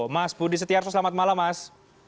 mas budi setiarso selamat malam mas